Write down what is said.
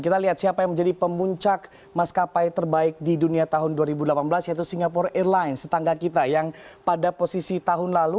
kita lihat siapa yang menjadi pemuncak maskapai terbaik di dunia tahun dua ribu delapan belas yaitu singapore airlines tetangga kita yang pada posisi tahun lalu